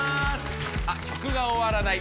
あっ曲が終わらない。